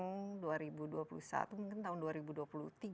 dua ribu dua puluh satu mungkin tahun